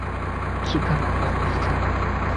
কি খারাপ অবস্থা!